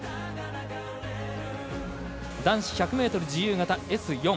男子１００ｍ自由形Ｓ４。